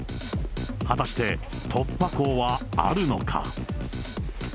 果たして突破口はあるのか。